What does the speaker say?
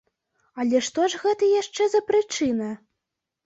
Але што ж гэта яшчэ за прычына?